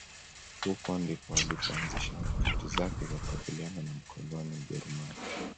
huko ndipo alipo anzisha harakati zake za kukabiliana na mkoloni Mjerumani